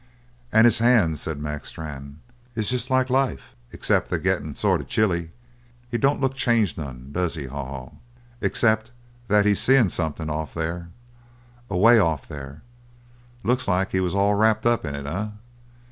"And his hands," said Mac Strann, "is just like life, except that they's gettin' sort of chilly. He don't look changed, none, does he, Haw Haw? Except that he's seein' something off there away off there. Looks like he was all wrapped up in it, eh?"